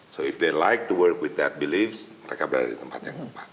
jadi kalau mereka suka bekerja dengan belief itu mereka berada di tempat yang tepat